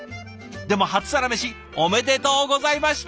でも初サラメシおめでとうございました。